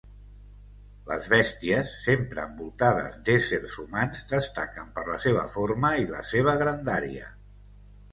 Les bèsties, sempre envoltades d'éssers humans, destaquen per la seva forma i la seva grandària.